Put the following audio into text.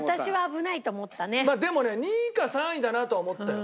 でもね２位か３位だなとは思ったよ。